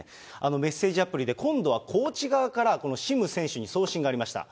メッセージアプリで今度はコーチ側から、このシム選手に送信がありました。